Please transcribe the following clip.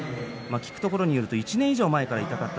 聞くところによりますと１年以上前から痛かった。